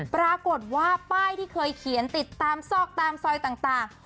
ปรากฏว่าป้ายที่เคยเขียนติดตามซอกตามซอยต่าง